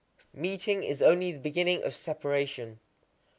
_ Meeting is only the beginning of separation.